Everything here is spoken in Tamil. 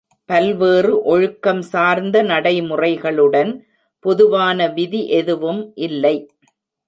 பல்வேறு ஒழுக்கம் சார்ந்த நடைமுறைகளுடன் பொதுவான விதி எதுவும் இல்லை.